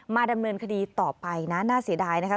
ดำเนินคดีต่อไปนะน่าเสียดายนะคะ